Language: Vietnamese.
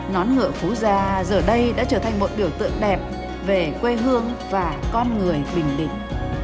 nón ngựa phú gia giờ đây đã trở thành một biểu tượng đẹp về quê hương và con người bình định